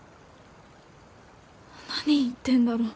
何言ってんだろう